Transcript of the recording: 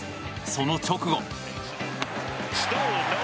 その直後。